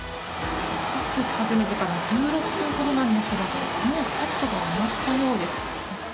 カットし始めてから１６分ほどなんですがもうカットが終わったようです。